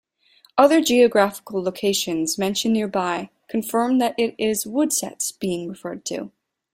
Other geographical locations mentioned nearby confirm that it is Woodsetts being referred to.